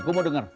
gua mau denger